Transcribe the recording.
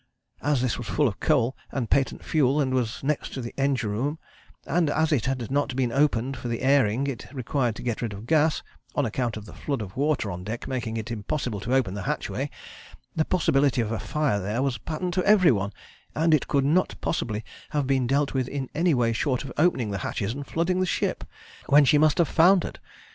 As this was full of coal and patent fuel and was next the engine room, and as it had not been opened for the airing it required to get rid of gas, on account of the flood of water on deck making it impossible to open the hatchway, the possibility of a fire there was patent to every one, and it could not possibly have been dealt with in any way short of opening the hatches and flooding the ship, when she must have foundered.